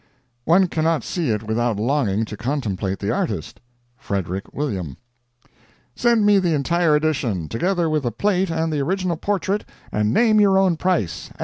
One cannot see it without longing to contemplate the artist. Frederick William. Send me the entire edition together with the plate and the original portrait and name your own price.